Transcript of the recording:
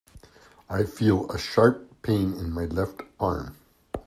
I feel a sharp pain in my left arm.